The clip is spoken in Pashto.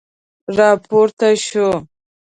را پورته شو.